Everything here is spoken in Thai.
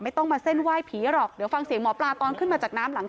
ต้องมาเส้นไหว้ผีหรอกเดี๋ยวฟังเสียงหมอปลาตอนขึ้นมาจากน้ำหลัง